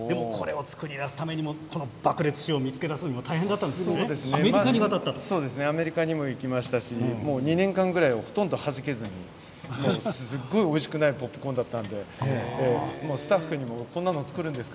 これを作り出すためにも爆裂種を見つけ出すのもアメリカにも行きましたし２年間ぐらいはほとんどはじけずにすごいおいしくないポップコーンでした。